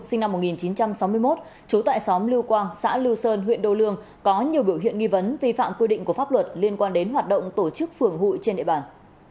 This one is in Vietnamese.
sinh năm một nghìn chín trăm sáu mươi một trú tại xóm lưu quang xã lưu sơn huyện đô lương có nhiều biểu hiện nghi vấn vi phạm quy định của pháp luật liên quan đến hoạt động tổ chức phường hội trên địa bàn